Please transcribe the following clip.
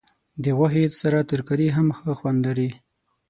د غوښې سره ترکاري هم ښه خوند لري.